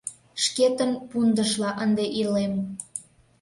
Шкетын пундышла ынде илем.